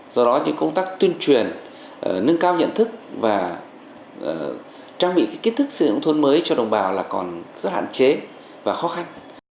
do đó những công tác tuyên truyền nâng cao nhận thức và trang bị kết thúc xây dựng nông thuần mới cho đồng bào là còn rất hạn chế và khó khăn